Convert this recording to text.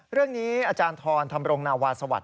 เรื่องนี้อาจารย์ทรอนทำรงนาวาสวรรค์